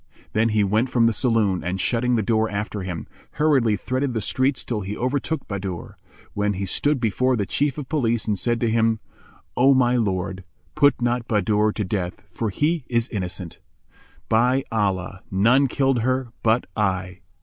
Then he went from the saloon and, shutting the door after him, hurriedly threaded the streets till he overtook Bahadur, when he stood before the Chief of Police and said to him, "O my lord, put not Bahadur to death, for he is innocent. By Allah, none killed her but I."